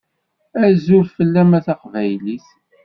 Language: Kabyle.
Azul fell-am a taqbaylit.